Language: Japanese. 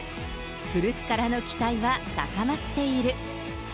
古巣からの期待は高まっている。